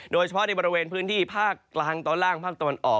โดยเฉพาะในบริเวณพื้นที่ภาคกลางตอนล่างภาคตะวันออก